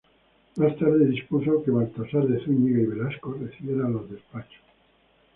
Más tarde dispuso que Baltasar de Zúñiga y Velasco recibiera los despachos.